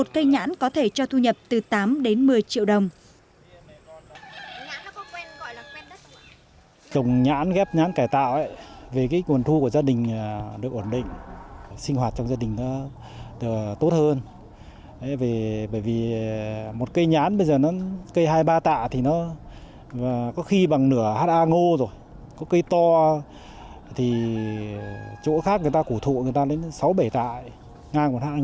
một cây nhãn có thể cho thu nhập từ tám đến một mươi triệu đồng